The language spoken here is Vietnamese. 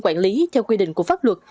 quản lý theo quy định của pháp luật